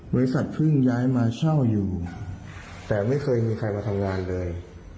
เพิ่งย้ายมาเช่าอยู่แต่ไม่เคยมีใครมาทำงานเลย